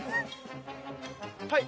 はい。